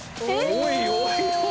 おいおいおいおい！